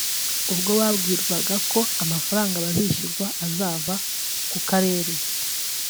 ubwo babwirwagwa ko amafaranga bazishurwa azava ku Karere